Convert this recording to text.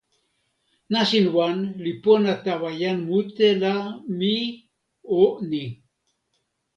nasin wan li pona tawa jan mute la mi o ni.